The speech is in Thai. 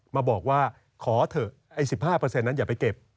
มาบอกว่าขอเถอะไอ้๑๕นั้นอย่าไปเก็บ